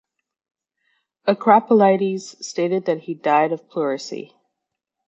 Akropolites stated that he died of pleurisy.